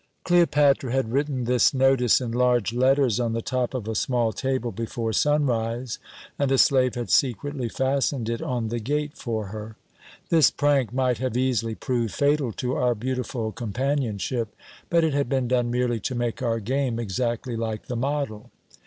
"Cleopatra had written this notice in large letters on the top of a small table before sunrise, and a slave had secretly fastened it on the gate for her. "This prank might have easily proved fatal to our beautiful companionship, but it had been done merely to make our game exactly like the model.